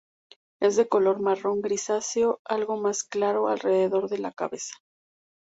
Es de color marrón grisáceo, algo más claro alrededor de la cabeza.